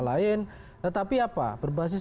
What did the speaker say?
lain tetapi apa berbasis